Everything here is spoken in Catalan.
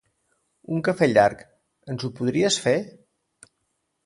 Un cafè llarg, ens ho podries fer?